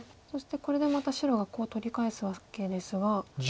そしてこれでまた白がコウを取り返すわけですが。